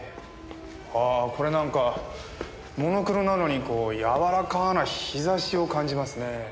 ああこれなんかモノクロなのにこうやわらかな日差しを感じますね。